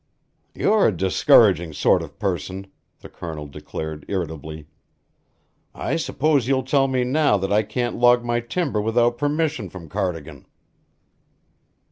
"You're a discouraging sort of person," the Colonel declared irritably. "I suppose you'll tell me now that I can't log my timber without permission from Cardigan."